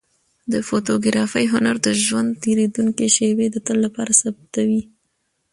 د فوتوګرافۍ هنر د ژوند تېرېدونکې شېبې د تل لپاره ثبتوي.